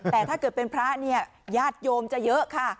แต่ถ้าเกิดเป็นพระเนี่ยญาติโยมจะเยอะค่ะ